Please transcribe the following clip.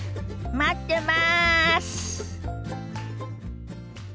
待ってます！